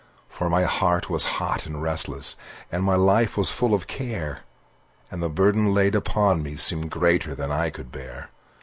For my heart was hot and restless, And my life was full of care, And the burden laid upon me Seemed greater than I could bear.